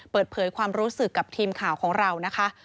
เปิดเผยความรู้สึกกับทีมข่าวของเรานะคะ